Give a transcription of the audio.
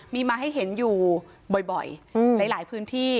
มีมาให้เห็นอยู่บ่อยหลายพื้นที่